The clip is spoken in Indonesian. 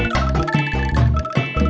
selamat tuas danex koosan abiewong